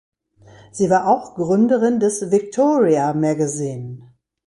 Sie war auch Gründerin des Victoria Magazine.